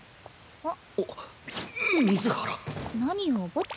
あっ。